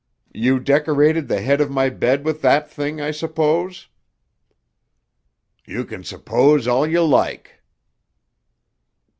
"You decorated the head of my bed with that thing, I suppose?" "You can suppose all you like."